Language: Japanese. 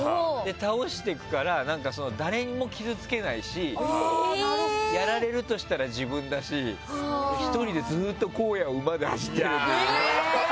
倒していくから誰も傷つけないしやられるとしたら自分だし１人でずっと荒野を馬で走っているゲーム。